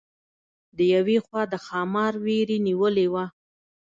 د یوې خوا د ښامار وېرې نیولې وه.